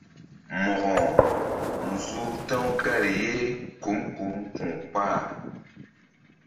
Mo̧ko nzuh ta̧w gar yeri kum kum ku̧ kpah.